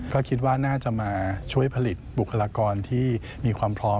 ก็คิดว่าน่าจะมาช่วยผลิตบุคลากรที่มีความพร้อม